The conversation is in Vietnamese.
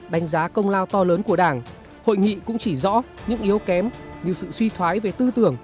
đánh giá công lao to lớn của đảng hội nghị cũng chỉ rõ những yếu kém như sự suy thoái về tư tưởng